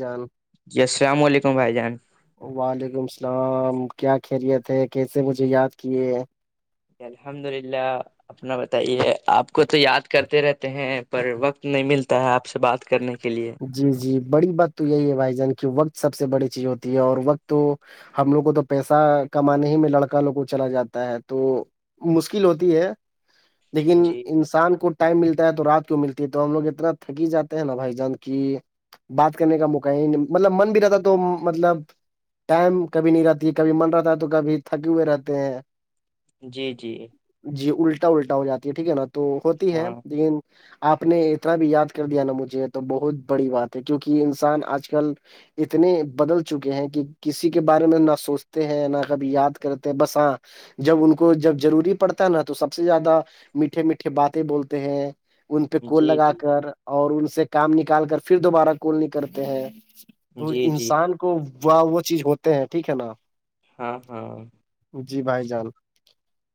جان [unintelligible] جی السلام علیکم بھائی جان وعلیکم السلام کیا خیریت ہے کیسے مجھے یاد کیے ہیں الحمد للہ اپنا بتائیے آپ کو تو یاد کرتے رہتے ہیں پر وقت نہیں ملتا ہے آپ سے بات کرنے کے لیے جی جی بڑی بات تو یہی ہے بھائی جان کی وقت سب سے بڑی چیز ہوتی ہے اور وقت تو ہم لوگ کو تو پیسہ کمانے ہی میں لڑکا لوگ کو چلا جاتا ہے تو مشکل ہوتی ہے لیکن جی انسان کو ٹائم ملتا ہے تو رات کو ملتی ہے تو ہم لوگ اتنا تھکی جاتے ہیں نا بھائی جانند کہ بات کرنے کا موقع ہی مطلب من بھی رہتا تو مطلب ٹائم کبھی نہیں رہتی ہے کبھی من رہتا ہے تو کبھی تھکے ہوئے رہتے ہیں جی جی جی الٹا الٹا ہو جاتی ہے ٹھیک ہے نا تو ہوتی ہے ہاں لیکن آپ نے اتنا بھی یاد کر دیا نا مجھے تو بہت بڑی بات ہے کیونکہ انسان آج کل اتنے بدل چکے ہیں کہ کسی کے بارے میں نہ سوچتے ہیں نہ کبھی یاد کرتے ہیں بس ہاں جب ان کو جب ضروری پڑتا ہے نا تو سب سے زیادہ میٹھے میٹھے باتیں بولتے ہیں ان پہ کول جی لگا جی کر اور ان سے کام نکال کر پھر دوبارہ کول نکلتے ہیں تو جی جی انسان کو و وہ چیز ہوتے ہیں ٹھیک ہے نا ہاں ہاں جی بھائی جان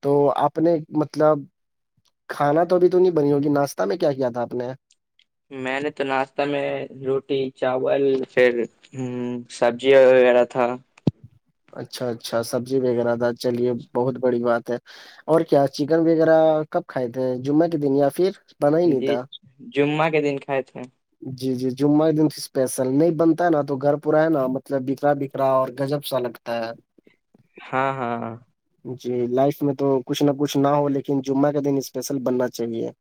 تو آپ نے مطلب کھانا تو ابھی تو نہیں بنی ہوگی ناشتہ میں کیا کیا تھا آپ نے میں نے تو ناشتہ میں روٹی چاول پھر ہوں سبزی وغیرہ تھا اچھا اچھا سبزی وغیرہ تھا چلیے بہت بڑی بات ہے اور کیا چکن وغیرہ کب کھائے تھ ہیں جمعہ کے دن یا پھر بنا ہی نہیں جی تھا جمعہ کے دن کھائے تھے جی جی جمعہ ایک دم اسپیشل نہیں بنتا ہے نا تو گھر پورا ہے نا مطلب بکھرا بکھ کا اور گجب سا لگتا ہے ہاں ہاں ہاں جی لائف میں تو کچھ نہ کچھ نہ ہو لیکن جمعہ کا دن اسپیشل بننا چاہیے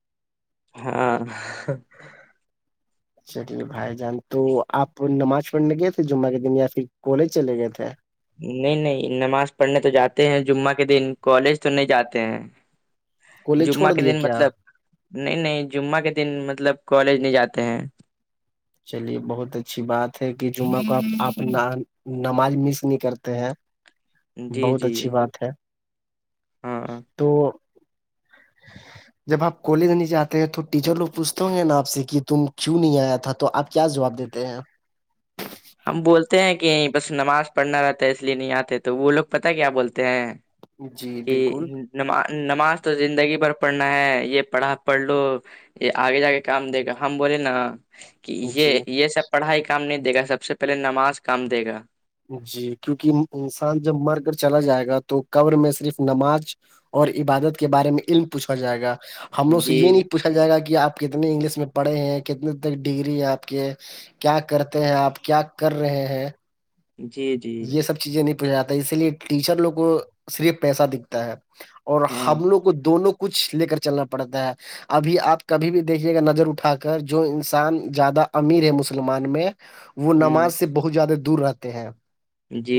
ہاں چلیے بھائی جان تو آپ نماز پڑھنے گئے تھے جمعہ کے دن یا پھر کالج چلے گئے تھے نہیں نہیں نماز پڑھنے تو جاتے ہیں جمعہ کے دن کالج تو نہیں جاتے ہیں کالج جمعہ چھوڑ کے دیے دن کیا مطلب نہیں نہیں جمعہ کے دن مطلب کالج نہیں جاتے ہیں چلیے بہت اچھی بات ہے کہ جمعہ کو آ نماز مس نہیں کرتے ہیں جی بہت جی اچھی بات ہے ہاں تو [inaudible] جب آپ کالج نہیں جاتے ہیں تو ٹیچر لوگ پوچتے ہ گے نا آپ سے کہ تم کیوں نہیں آیا تھا تو آپ کیا جواب دیتے ہیںپ ہم بولتے ہیں کہ بس نماز پڑھنا رہتا ہے اس لیے نہیں آتے تو وہ لوگ پت کیا بولتے ہیں جی کہ بالکل نم نماز تو زندگی بھر پڑھنا ہے یہ پڑھا پڑھ لو یہ آگے جا کے کام دے گا ہم بولے نا کہ جی یہ یہ سب پڑھائی کام نہیں دے گا سب سے پہلے نماز کام دے گا جی کیونکہ انسان جب مر کر چلا جائے گا تو قبر میں صرف نماز اور عبادت کے بارے میں علم پوچھا جائے گا ہم لوگ سے جی یہ نہیں پوچھا جائے گا کہ آپ کتنے انگلش میں پڑھے ہیں کتنے تک ڈگری ہے آپ کے کیا کرتے ہیں آپ کیا کر رہے ہیں جی جی یہ سب چیزیں نہیں پوچ جاتا اسی لیے ٹیچر لوگ کو صرف پیسہ دکھتا ہے اور ہاں ہم لووں کو دونوں کچھ لے کر چلنا پڑتا ہے ابھی آپ کبھی بھی دیکھیے گا نظر اٹھا کر جو انسان زیادہ امیر ہے مسلمان میں وہ ہوں نماز سے بہت زیادہ دور رہتے ہیں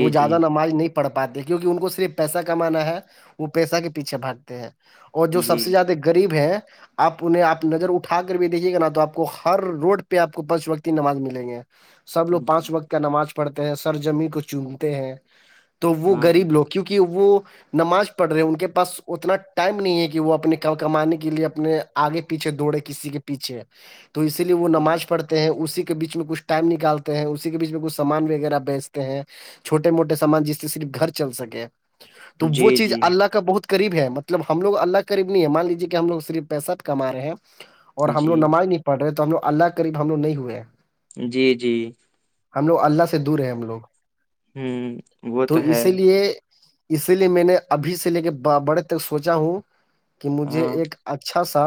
وہ جی زیادہ نماز نہیں پڑ پاتے کیونکہ ان کو صرف پیسہ کمانا ہے وہ پیسہ کے پیچھے بھاگتے ہیں اور اور جو جی سب سے زیادہ غریب ہیں آپ انہیں آپ نظر اٹھا کر بھی دیکھیے گا نا تو آپ کو ہر روڈ پہ آپ کو پچ وقتی نماز ملیں گے سب لوگ جی پانچ وقت کا نماز پڑھتے ہیں سر جمین کو چومتے ہیں تو وہ ہاں غریب لوگ ہاں کیونکہ کہ وہ نماز پڑھ رہے ہیں ان کے پاس اتنا ٹائم نہیں ہے کہ وہ اپنے کمانے کے لیے اپنے آگے پیچھے دوڑے کسی کے پیچھے تو اسی لیے وہ نماز پڑھتا ہیں اسی کے بیچ میں کچھ ٹائم نکالتے ہیں اسی کے بیچ میں کچھ سامان وغیرہ بیچتے ہیں چھوٹے موٹے سامان جس سے صرف گھر چل سکے تو جی وہ چیز جی اللہ کا بہت قریب ہے مطلب ہم لوگ اللہ قریب نہیں ہے مان لیجیے کہ ہم لوگ صرف پیسہ کما رہے ہیں اور ہم جی لوگ نماز نہیں پڑ رہے تو ہم لوگ اللہ کے قریب ہم لوگ نہیں ہوئے ہیں جی جی ہم لگ اللہ سے دور ہے ہم لوگ ہوں وہ تو ہے اسی لیے اسی لیے میں نے ابھی سے لے کے بڑے تک سوچا ہوں کہ مجھے ہاں ایک اچھا سا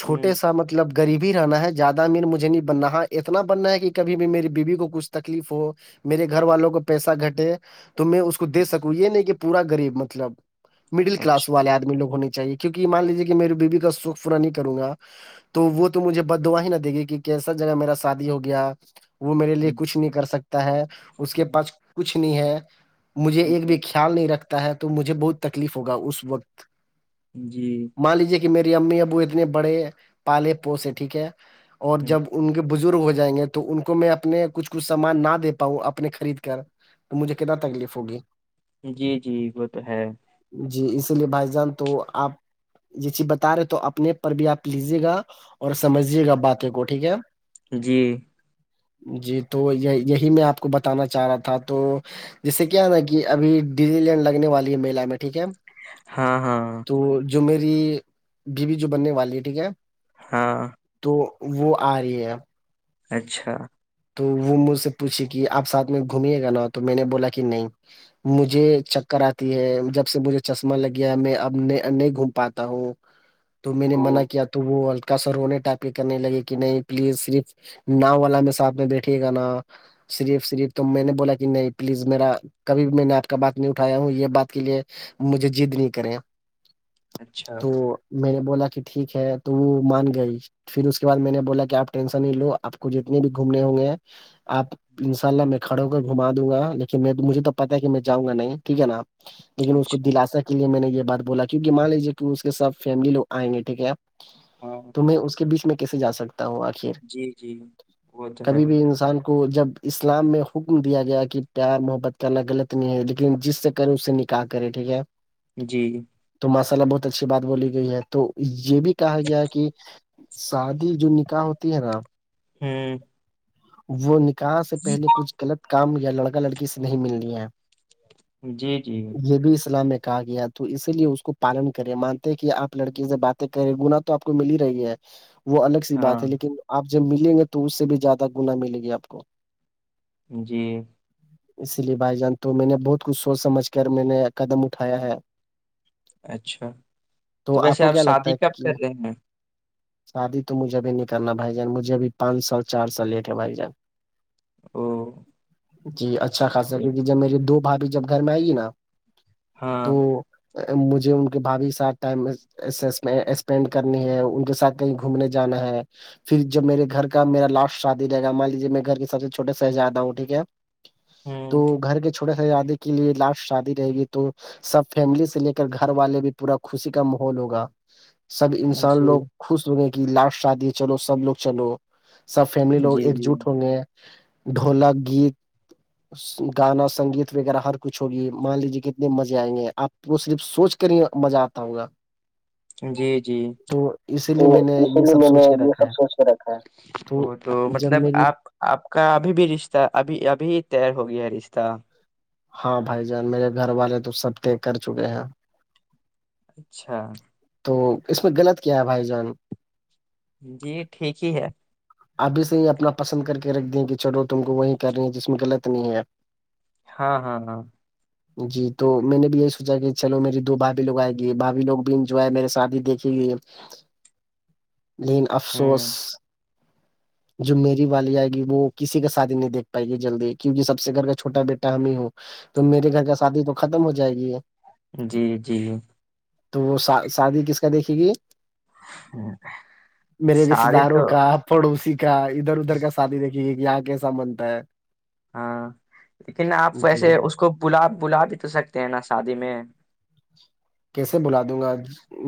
چھوٹے ہ سا مطلب غبی رہنا ہے زیادہ مین مجھے نہیں بننا اتنا بننا ہے کہ کب بھی میری بیوی کو کچھ تکلیف ہو میرے گھر والوں کا پیسہ گھٹے تو میں اس کو دے سکوں یہ نہیں کہ پورا غریب مطلب مڈل کلاس اچھا والے آدمی لوگ ہونے چاہیے کیونکہ یہ مان لیجیے کہ میری بیوی کا سکھ پورا نہیں کروں گا تو وہ تو مجھے بد دعا ہی نہ دے گی کہ کیسا جگہ میرا شادی ہو گیا وہ میرے لیے ہوں، کچھ نہیں کر سکتا ہے اس کے ہوں، پاس کچھ نہیں ہے مجھے ایک بھی خیال نہیں رکھتا ہے تو مجھے بہت تکلیف ہوگا اس وقت جی مان لیجیے کہ میری امی ابو اتنے بڑے پالے پوس ہے ٹھیک ہے اور ہوں، جب ان کے بزرگ ہو جائیں گے تو ان کو میں اپنے کچھ کچھ سامان نہ دیتے پؤ اپنے خرید کر تو مجھے کتنا تکلیف ہوگی جی جی وہ تو ہے جی اسی لیے بھائی جان تو آپ یہ چیز بتا رہے تو اپنے پر بھی آپ لیجیے گا اور سمجھیے گا باتیں کو ٹھیک ہے جی جی تو یہ یہی میں آپ کو بتانا چاہ رہا تھا تو جس سے کیا نا کہ ابھی ڈزی لینڈ لگنے والی ہے می میں ٹھیک ہے ہاں ہاں تو جو میری بیوی جو بننے والی ہے ٹھیک ہے ہاں تو وہ آ رہی ہے اب اچھا تو وہ مجھ سے پوچھی کہ آپ ساتھ میں گھمیے گا نا تو میں نے بولا کہ نہیں مجھے چکر آتی ہے جب سے مجھے چشمہ لگیا میں اب نہیں گھوم پاتا ہوں [inaudible] [unintelligible] تو میں نے منع کیا تو وہ ک سر ہوونے ٹپ کے کرنے لگے کہ نہیں پلیز صرف نا والا میں ساتھ میں بیٹھیے گا نا صریف صریف تو میں نے بولا کہ نہیں پلیز میرا کبھی بھی میں نے ناٹ کا بات نہیں اٹھایا ہوں یہ بات کے لیے مجھے جد نہیں کریں اچھا تو میں نے بولا کہ ٹھیک ہے تو وہ مان گئی پھر اس کے بعد میں نے بولا کہ آپ ٹینشن نہیں لو آپ کو جتنی بھی گھومنے ہوں گے ہیں آپ ان شاء اللہ میں کھڑوں ہو کر گھما دوں گا لیکن میں مجھے تو پتا ہے کہ میں جؤں گا نہیں ٹھیک ہے نا لیکن اس کو اچھا دلا سا لیے میں نے یہ بات بولا کیونکہ مان لیجیے کہ اس کے سب فیملی لوگئیں گے ٹھیک ہے ہاں تو میں اس کے بیچ میں کیسے جا سکتا ہوں آخر جی جی وہ تو ہے کبھی بھی انسان کو جب اسلام میں حکم دیا گیا کہ پیار محبت کرنا غلط نہیں ہے لیکن جس سے کر اسے نکل کیا کرے ٹھیک ہے جی جی تو ماشاء ال بہت اچھی بات بولی گئی ہے تو یہ بھی کہا گیا ہے کہ شادی جو نکاح ہوتی ہے نا ہوں وہ نکاح سے پہلے کچھ غلط کام یا لڑکا لڑکی سے نہیں مل رہ ہے جی جی یہ بھی اسلام میں کہا گیا تو اسی لیے اس کو پالن کرے مانتے کہ آپ لڑکی سے بات کریں گنا تو آپ کو مل ہی رہی ہے وہ الگ سی ہاں بات ہے لیکن آپ جب ملیں گے تو اس سے بھی زیادہ گنا ملے گی آپ کو جی اس لیے بھائی جان تو میں نے بہت کچھ سوچ سمجھ کر میں نے قدم اٹھایا ہے اچھا تو ویسے کو آپ کیا لگتا شادی ہے کب کہ کر رہے ہیں شادی تو مجھے بھی نہیں کرنا بھائی جان مجھے بھیھی پانچ سال چار سال لیٹ ہے بھائی جان او [unintelligible] جی اچھا خاصا تو- کیونکہ جب میے دو بھاابھی جب گھر میں آئے گی نا تو ہاں مجھے ان کے بھابھی ساتھ ٹائم اسپینڈ کرنی ہے ان کے ساتھ کہیں گھومنے جانا ہے پھر جب میرے گھر کا میرا لاسٹ شادی رہے گا مان لیجیے میں گھر کے سب سے چھوٹے شہزادہ ہوں ٹھیک ہے ہ تو گھر کے چ تھھوٹے س شادی کے لیے لاسٹ شادی رہے گی تو سب فیملی سے لے کر گھر والے بھی پورا خوشی کا ماحول ہوگا سب انسان جی لوگ خوش ہو گئے کہ لاسٹ شادی ہے چلو سب لوگ چلو سب فیملی لوگ جی ایک جٹ جی ہوں گے ہیں ڈھولک گیت گانا سنگیت وغیرہ ہر کچھ ہوگی مان لیجیے کتنے مزے آئیں گے آپ کو صرف سوچ کر ہی مزہ آتا ہوگا جی جی تو اسی تو لیے میں نے اسی یہ لیے سب میں نے سوچ کے یہ رکھا سب ہے سوچ کر رکھا وہ تو جب مطلب میری آپ آپ کا ابھی بھی رشتہ ابھی ابھی تییر ہو گیا رشتہ ہاں بھائی جان میرے گھر والے تو سب طے کر چکے ہیں اچھا تو اس میں غلط کیا ہے بھائی جان جی ٹھیک ہی ہے ابھی سے اپنا پسند کر کے رکھ د کہ چلو تم کو وہی کر رہی ہیں جس میں غلط نہیں ہے ہاں ہاں ہاں جی تو میں نے بھی یہی سوچا کہ چلو میری دو بھابھی لو آئے گی بھبھی لوگ بھی انجوائے میرے شادی دیکھی گئی [inaudible] لن ہ افسوس جو میری والی آئے گی وہ کسی کا سات ہی نہیں دیکھ پائے گی جلدی کیونکہ سب سے گھر کا چھوٹا بیٹا ہمیں ہو تو میرے گھر کا شادی تو ختم ہو جائے گی ہے جی جی تو وہ شادی کس کا دیکھے گی ہوں، میرے رشتے سارے تو داروں کا پڑوسی کا ادھر ادھر کا شادی دیکھیے گی کہ یہاں کیسا بنتا ہے ہاں لیکن آپ جی ویسے اس کو بلا بلا بھی تو سکتے ہیں نا شادی میں کیسے بلا دوں گا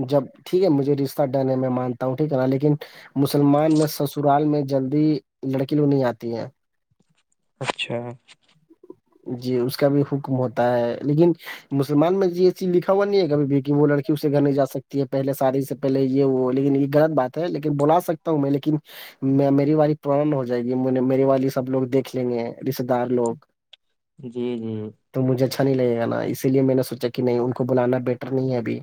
جب ٹھیک ہے مجھے رشتہ ڈن ہے میں مانتا ہوں ٹھیک ہے نا لیکن مسلمان میں سسرال میں جلدی لڑکی لوگ نہیں آتی ہے اچھا جی اس کا بھی حکم ہوتا ہے لیکن مسلمان میں یہ چیز لکھا ہوا نہیں ہے کبھی ب وہ لڑک اسے گھر نہیں جا سکتی ہے پہلے سادی سے پہلے یہ وہ لیکن یہ غلط بات ہے لیکن بلا سکتا ہوں میں لیکن میں میری والی پرن ہو جائے گی میری والی سب لوگ دیکھ لیں گے رشتے دار لوگ جی جی تو مجھے اچھا نہیں لگے گا نا اسی لیے میں نے سوچا کہ نہیں ان کو بلانا بیٹر نہیں ہے ابھی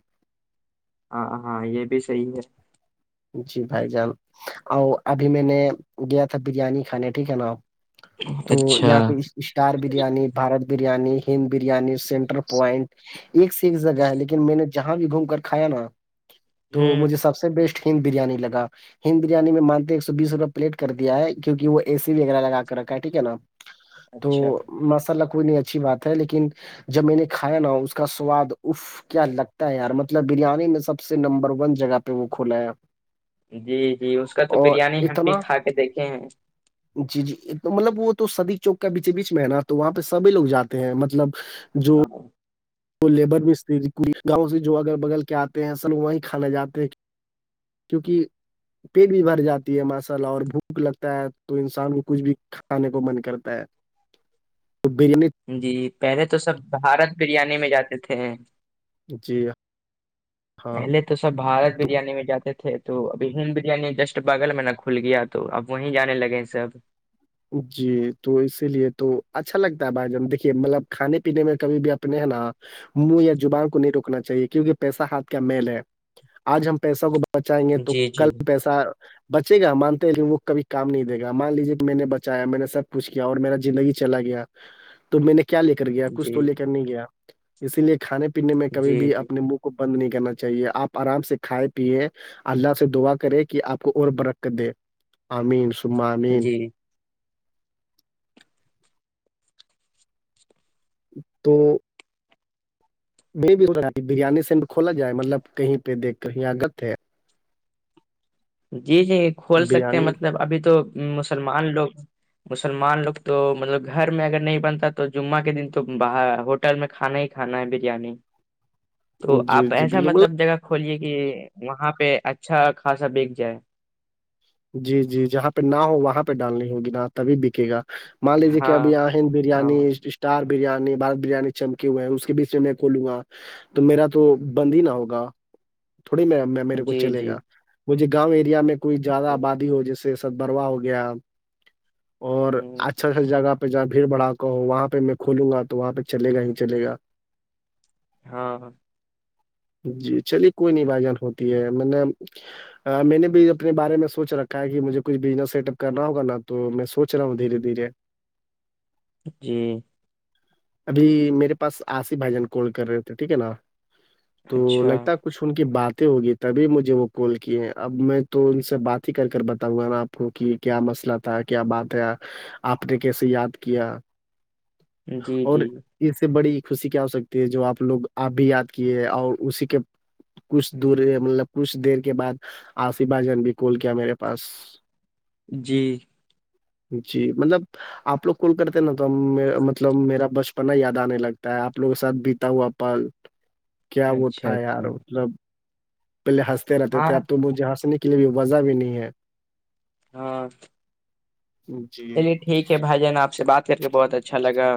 ہاں ہاں یہ بھی صحیح ہے جی بھائی جان اور ابھی میں نے گیا تھا بریانی کھانے ٹھیک ہے نا تو اچھا یہاں پہ اس star biryani Bharat biryani Hind biryani centre point ایک سے ایک جگہ ہے لیکن میں نے جہاں بھی گھوم کر کھایا نا تو ہ مجھے سب سے بیسٹ کنگ بریانی لگا ہند بریانی میں مانتے ایک سو بیس روپے پلیٹ کر دیا ہے کیک وہ اےی وغیرہ لگا کر رکھا ٹھیک ہے نا تو اچھا ماشاء اللہ کوئی نہیں اچھی بات ہے لیکن جب میں نے کھایا نا اس کا سواد اف کیا لگتا ہے یار مطلب بریانی میں سب سے نمبر ون جگہ پہ وہ کھولا ہے جی جی اس کا تو اور بریانی ہم بھی اتنا کھا کے دیکھے ہیں جی جی ایک مطلب وہ تو سبہی چوک بیچے بیچ میں ہے نا تو وہاں پہ سبھی لوگ جاتے ہیں مطلب جو ہیں کو لیبر مستریئی گاؤں سے جو اگر بغل کے آتے ہیں سل وہیں کھانا جاتے کیونکہ پیٹ بھی بھر جاتی ہے ماشاء اللہ اور بھوک لگتا ہے تو انسان کو کچھ بھی کھانے کو من کرتا ہے تو بریانی جی پہلے تو سب بھارت بریانی میں جاتے تھے جی ہاں پہلے تو سب بھارت تو بریانی میں جاتے تھے تو ابھی ہند بریانی جسٹ بغل میں ن کھل گیا تو اب وہیں جانے لگے ہیں سب جی تو اسی لیے تو اچھا لگتا ہے بھائی جان دیکھیے مطلب کھانے پینے میں کبھی بھی اپنے ہیں نا منہ یا جبان کو نہیں روکنا چاہیے کیونکہ پیسہ ہاتھ کا میل ہے آج ہم پیسہ کو ب بچائیں گے تو جی جی کل پیسہ بچے گا مانتے ہیں لیکن وہ کبھی کام نہیں دے گا مان لیجے میں نے چایا میں نے سب کچھ کیا اور میرا زندگی چلا گیا تو میں نے کیا لے کر گیا کچھ جی تو لے کر نہیں گیا اسی لیے کھانے پینے میں کبھی جی بھی جی اپنے کو بند نہیں کرنا چاہیے آپ آرام سے کھائے پیے اللہ سے دعا کرے کہ آپ کو اور برکت دے امین سہ امین جی تو میں بھی ہو بریانی سے بھی کھولا جائے مطلب کہیں پہ دیک کر یہاںگت ہے جی جی کھول سکتے ہیں بریانی مطلب ابھی تو مسلمان لوگ مسلمان لوگ تو مطلب گھر میں اگر نہیں بنتا تو جمعہ کے دن تو باہ ہوٹل میں کھانا ہی کھانا ہے بریانی تو جی آپ جی ایسا بالکل مطلب جگہ کھلیے کہ وہاں پہ اچھا خاصا بییک جائے جی جی جہاں پہ نہ ہو وہاں پہ ڈالنی ہوگی نا تبھی بکے گا مان لیجیے کہ ہاں ابھی اہن ہاں بریانی چار بریانی بارت بریانی چمکے ہوئے ہیں اس کے بیچ میں کھولوں گا تو میرا تو بند ہی نہ ہوگا تھوڑی م میں میرے کو جی چلے جی گا مجھے گاؤں ایریا میں کوئی زیادہ ہ آبادی ہو جیسے سدبروا ہو گیا اور اچھا ا جگہ پہ جہاں بھیڑ بڑا ہو وہاں پہ میں کھولوں گا تو وہاں پہ چلے گا ہی چل گا ہاں جی چلیے کوئی نہیں بھائی جان ہوتی ہے م نے میں نے بھیب اپنے بارے میں سوچ رکھا ہے کہ مجھے کچھ بزنس سیٹ اپ کرنا ہوگا تو میں سو رہا ہوں دھیرے دھیرے جی ابھی میرے پاس آصف بھائی جان کال کر رہے تھے ٹھیک ہے نا تو اچھا لگتا ہے کچھ ان کی باتیں ہوگی تبھی مجھے وہ کال کیے ہیں اب میں تو ان سے بات ہی کر کر بتاؤں گا نا آپ کو کہ کیا مسئلہ تھا کیا بات ہے آپ نے کیسے یاد کیا جی جی اور جی اس سے بڑی خوشی کیا ہو سکتی ہے جو آپ لوگ آپ بھی یاد کیے اور اسی کے کچھ دور مطلب کچھ دیر کے بعد آپ سباجن بھی کول کیا میرے پاس جی جی مطلب آپ لوگ کل کرتے ہیں نا تو مطلب میرا بچپنا یاد آنے لگتا ہے آپ لوگ کے ساتھ بیتا ہوا پل کیا وہ اچھا تھا یار اچھا مطلب پہلے ہنستے رہتے ہاں تھے اب تو مجھے ہنسنے کے لیے بھی وزہ بھی نہیں ہے ہاں جی چلیے ٹھیک ہے بھائی جان آپ سے بات کر کے بہت اچھا لگا